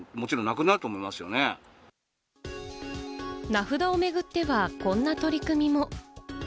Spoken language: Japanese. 名札をめぐってはこんな取り組みも。